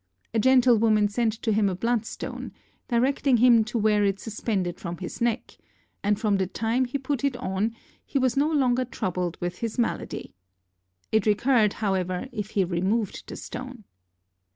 A gentlewoman sent to him a bloodstone, directing him to wear it suspended from his neck, and from the time he put it on he was no longer troubled with his malady. It recurred, however, if he removed the stone.